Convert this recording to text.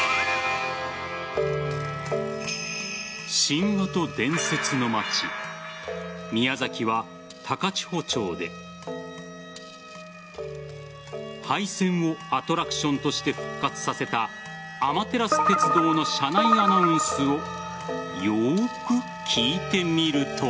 神話と伝説の町宮崎は高千穂町で廃線をアトラクションとして復活させたあまてらす鉄道の車内アナウンスをよく聞いてみると。